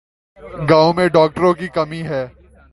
گاؤں میں ڈاکٹروں کی کمی ہے